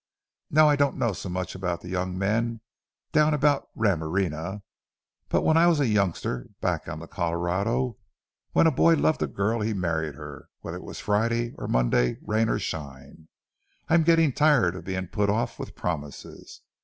Now, I don't know so much about the young men down about Ramirena, but when I was a youngster back on the Colorado, when a boy loved a girl he married her, whether it was Friday or Monday, rain or shine. I'm getting tired of being put off with promises.